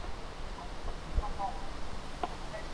中世纪此地名为锻冶山。